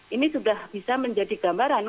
ini sudah bisa menjadi gambaran